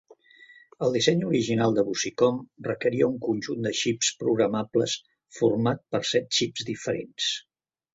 El disseny original de Busicom requeria un conjunt de xips programables format per set xips diferents.